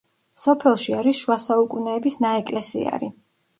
სოფელში არის შუა საუკუნეების ნაეკლესიარი.